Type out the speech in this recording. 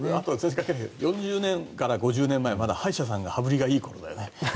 ４０年から５０年前はまだ歯医者さんが羽振りがいい頃だよね。